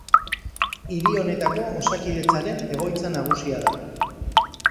Hiri honetako Osakidetzaren egoitza nagusia da.